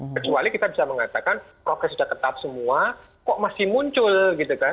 kecuali kita bisa mengatakan progres sudah tetap semua kok masih muncul gitu kan